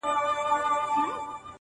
جار دي له حیا سم چي حیا له تا حیا کوي,